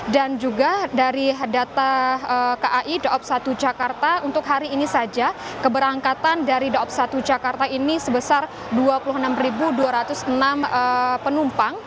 dan juga dari data kai dop satu jakarta untuk hari ini saja keberangkatan dari dop satu jakarta ini sebesar dua puluh enam dua ratus enam penumpang